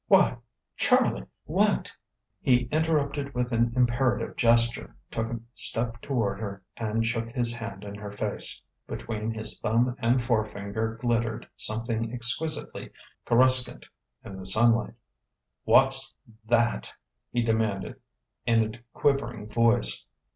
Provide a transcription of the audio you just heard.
"Why Charlie! what " He interrupted with an imperative gesture, took a step toward her, and shook his hand in her face. Between his thumb and forefinger glittered something exquisitely coruscant in the sunlight. "What's that?" he demanded in a quivering voice.